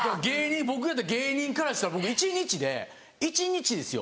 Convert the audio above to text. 僕やったら芸人からしたら僕一日で一日ですよ